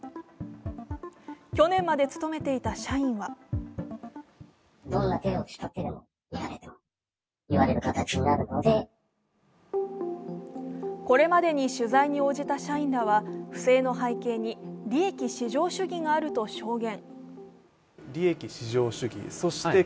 去年まで勤めていた社員はこれまでに取材に応じた社員らは、不正の背景に利益至上主義があると証言。